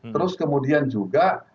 terus kemudian juga